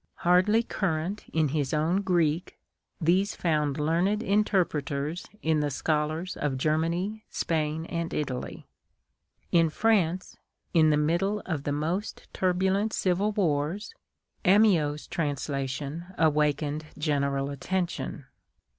Hardly current in his own Greek, these found learned interpreters in the scholars of Germany, Spain, and Italy. In France, in the middle of the most turbulent civil wars, Amyot's translation awakened general attention.